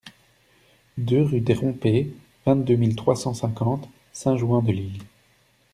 deux rue des Rompées, vingt-deux mille trois cent cinquante Saint-Jouan-de-l'Isle